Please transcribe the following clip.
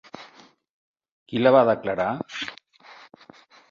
Qui la va declarar?